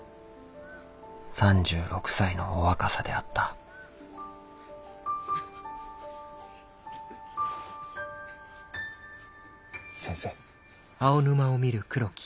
３６歳のお若さであった先生。